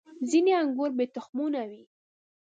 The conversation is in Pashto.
• ځینې انګور بې تخمونو وي.